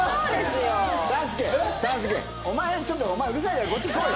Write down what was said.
お前ちょっとお前うるさいからこっち来い。